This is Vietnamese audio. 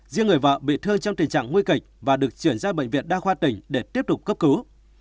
riêng người vợ bị thương trong tình trạng nguy kịch và được chuyển ra bệnh viện đa khoa tỉnh để tiếp tục cấp cứu